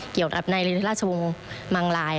เกี่ยวกับเนนแลราชวงษ์มังลาย